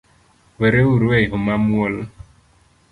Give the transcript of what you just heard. Wereuru eyo mamuol